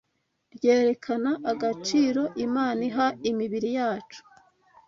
ryerekana agaciro Imana iha imibiri yacu